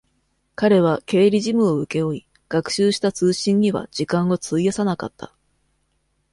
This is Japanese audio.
彼は経理事務を請け負い、学習した通信には時間を費やさなかった。